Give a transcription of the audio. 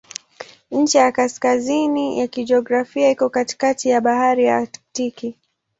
Ncha ya kaskazini ya kijiografia iko katikati ya Bahari ya Aktiki.